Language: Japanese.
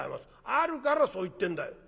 「あるからそう言ってんだよ」。